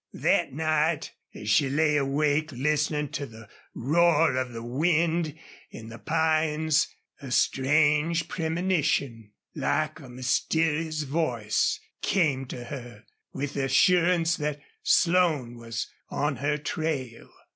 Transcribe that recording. That night as she lay awake listening to the roar of the wind in the pines a strange premonition like a mysterious voice came to her with the assurance that Slone was on her trail.